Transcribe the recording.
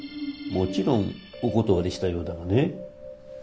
もちろんお断りしたようだがね。